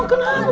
gak ada apa apa